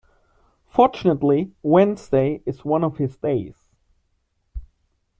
Fortunately Wednesday is one of his days.